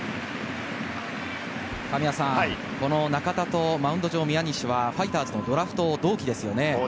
この中田とマウンド上の宮西はファイターズのドラフト同期ですよね。